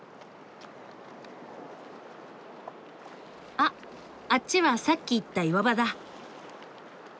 あっあっちはさっき行った岩場だ。